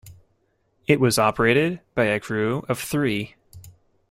It was operated by a crew of three.